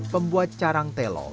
pembuat carang telol